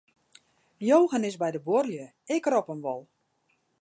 Johan is by de buorlju, ik rop him wol.